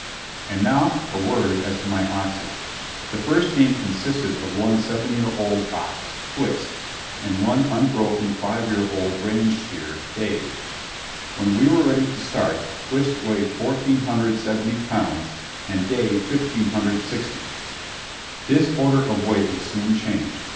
And now a word as to my oxen. The first team consisted of one seven year old ox, Twist, and one unbroken five year old range steer, Dave. When we were ready to start, Twist weighed 1,470 pounds and Dave 1,560. This order of weight was soon changed.